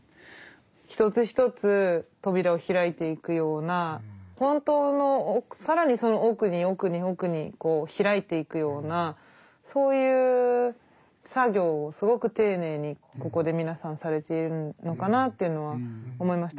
一つ一つ扉を開いていくような本当の更にその奥に奥に奥に開いていくようなそういう作業をすごく丁寧にここで皆さんされているのかなっていうのは思いました。